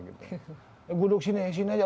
gue duduk sini sini aja